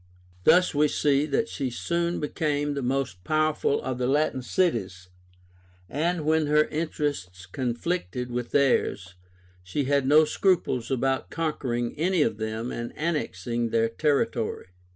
Thus we see that she soon became the most powerful of the Latin cities, and when her interests conflicted with theirs, she had no scruples about conquering any of them and annexing their territory.